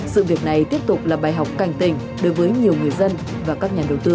sự việc này tiếp tục là bài học cảnh tỉnh đối với nhiều người dân và các nhà đầu tư